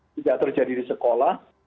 tidak terjadi di sekolah